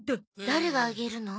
誰があげるの？